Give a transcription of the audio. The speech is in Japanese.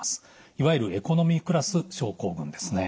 いわゆるエコノミークラス症候群ですね。